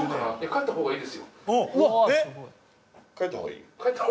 帰った方がいい？